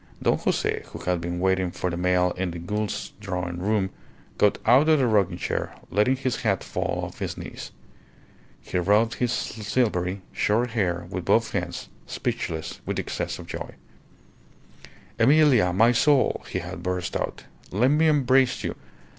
Don Jose, who had been waiting for the mail in the Goulds' drawing room, got out of the rocking chair, letting his hat fall off his knees. He rubbed his silvery, short hair with both hands, speechless with the excess of joy. "Emilia, my soul," he had burst out, "let me embrace you!